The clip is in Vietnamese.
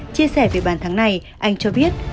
chia sẻ về bàn thắng này anh cho biết